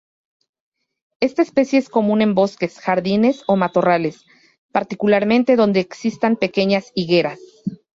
Esta especie es común en bosques, jardines o matorrales, particularmente donde existan pequeñas higueras.